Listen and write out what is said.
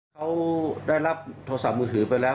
เขาได้รับโทรศัพท์มือถือไปแล้ว